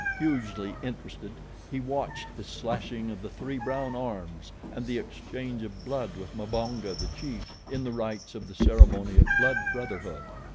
Hugely interested, he watched the slashing of the three brown arms and the exchange of blood with Mbonga, the chief, in the rites of the ceremony of blood brotherhood.